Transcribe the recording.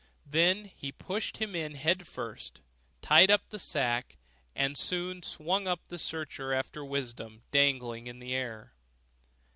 Then he pushed him in head first, tied up the sack, and soon swung up the searcher after wisdom dangling in the air.